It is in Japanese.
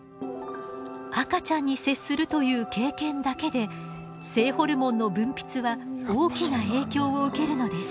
赤ちゃんに接するという経験だけで性ホルモンの分泌は大きな影響を受けるのです。